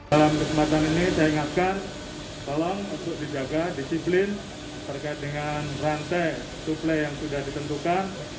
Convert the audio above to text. dalam kesempatan ini saya ingatkan tolong untuk dijaga disiplin terkait dengan rantai suplai yang sudah ditentukan